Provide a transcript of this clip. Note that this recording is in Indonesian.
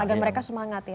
agar mereka semangat ya